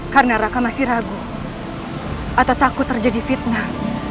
karena raka masih ragu atau takut terjadi fitnah